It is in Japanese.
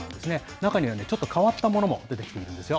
中にはね、ちょっと変わったものも出てきていますよ。